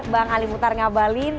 bang ali mutar ngabalin